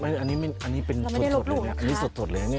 อันนี้ไม่อันนี้เป็นอันนี้สดครู่เลยนี่